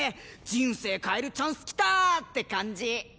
人生変えるチャンスきたー！って感じ。